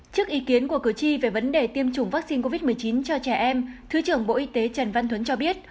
trước ý kiến của cử tri về vấn đề tiêm chủng vaccine covid một mươi chín cho trẻ em thứ trưởng bộ y tế trần văn thuấn cho biết